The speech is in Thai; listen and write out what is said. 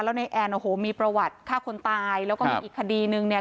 แล้วในแอนโอ้โหมีประวัติฆ่าคนตายแล้วก็มีอีกคดีนึงเนี่ย